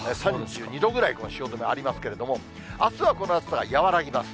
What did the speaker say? ３２度ぐらい、汐留、ありますけれども、あすはこの暑さが和らぎます。